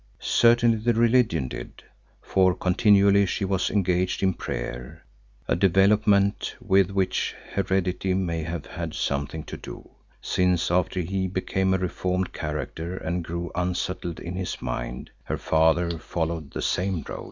Certainly the religion did, for continually she was engaged in prayer, a development with which heredity may have had something to do, since after he became a reformed character and grew unsettled in his mind, her father followed the same road.